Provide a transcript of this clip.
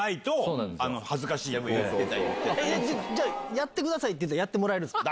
やってくださいって言ったらやってもらえるんすか？